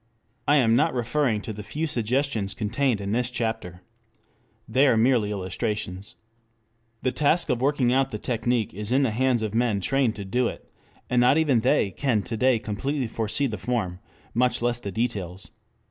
I am not referring to the few suggestions contained in this chapter. They are merely illustrations. The task of working out the technic is in the hands of men trained to do it, and not even they can to day completely foresee the form, much less the details.